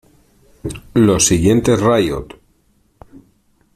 Los siguientes Riot!